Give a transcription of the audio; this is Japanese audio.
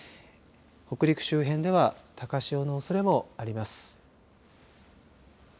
北陸周辺では高潮のおそれもあります。